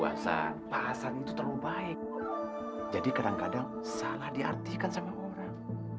suami saya pak hasan itu terlalu baik jadi kadang kadang salah diartikan sama orang